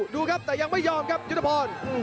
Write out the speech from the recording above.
ดูครับแต่ยังไม่ยอมครับยุทธพร